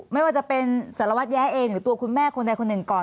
ไม่ว่าจะเป็นสารวัตรแย้เองหรือตัวคุณแม่คนใดคนหนึ่งก่อน